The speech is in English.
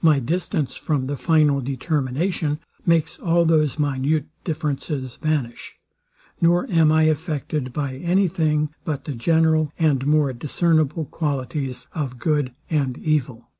My distance from the final determination makes all those minute differences vanish, nor am I affected by any thing, but the general and more discernible qualities of good and evil.